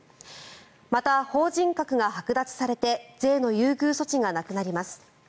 また、法人格がはく奪されて税の優遇措置がなくなります。